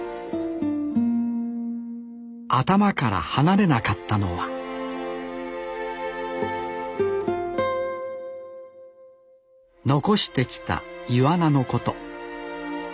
頭から離れなかったのは残してきたイワナのこと。